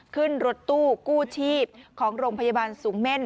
ขึ้นรถตู้กู้ชีพของโรงพยาบาลสูงเม่น